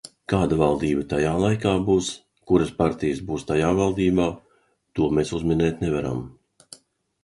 Kāda valdība tajā laikā būs, kuras partijas būs tajā valdībā, to mēs uzminēt nevaram.